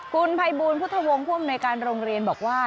คุณภัยบูลพุทธวงศ์ผู้อำนวยการโรงเรียนบอกว่า